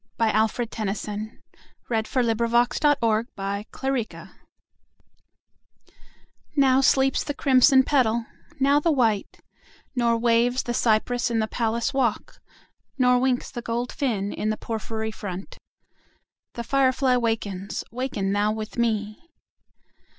Alfred Tennyson, Lord Tennyson. 1809–1892 705. Summer Night NOW sleeps the crimson petal, now the white; Nor waves the cypress in the palace walk; Nor winks the gold fin in the porphyry font: The firefly wakens: waken thou with me.